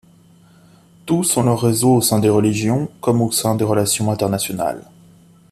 Tous ont leurs réseaux au sein des religions, comme au sein des relations internationales.